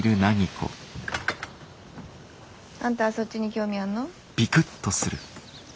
あんたはそっちに興味あんの？